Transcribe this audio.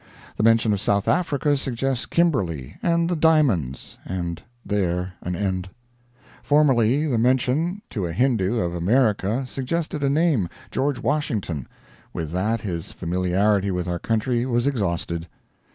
The mention of South Africa suggests Kimberly and the diamonds and there an end. Formerly the mention, to a Hindoo, of America suggested a name George Washington with that his familiarity with our country was exhausted.